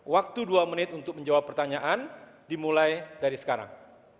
waktu dua menit untuk menjawab pertanyaan dimulai dari sekarang